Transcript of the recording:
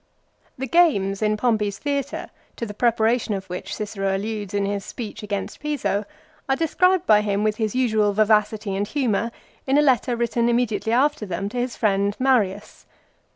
The games in Pompey's theatre to the preparation of which Cicero alludes in his speech against Piso are described by him with his usual vivacity and humour in a letter written immediately after them to his friend Marius.